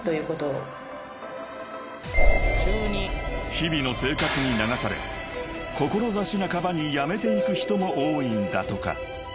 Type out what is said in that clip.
［日々の生活に流され志半ばにやめていく人も多いんだとか］